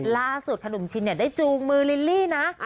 ล่าสุดขนุมชินเนี่ยได้จูงมือลิลลี่นะ